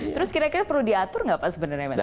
terus kira kira perlu diatur gak pak sebenarnya medsos